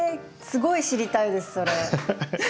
すごい知りたいですそれ。